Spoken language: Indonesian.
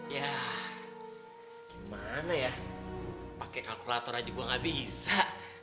ya gimana ya pakai kalkulator aja gue gak bisa